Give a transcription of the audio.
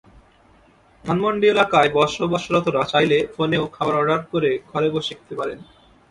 ধানমন্ডি এলাকায় বসবাসরতরা চাইলে ফোনেও খাবার অর্ডার করে ঘরে বসে খেতে পারেন।